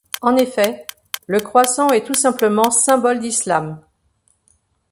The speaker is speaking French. En effet, le croissant est tout simplement symbole d'Islam.